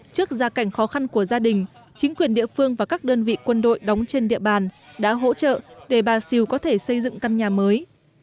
trước gia cảnh khó khăn của gia đình chính quyền địa phương và các đơn vị quân đội đóng trên địa bàn đã hỗ trợ để bà siêu có thể xây dựng căn nhà mới